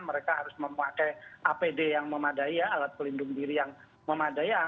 mereka harus memakai apd yang memadai ya alat pelindung diri yang memadai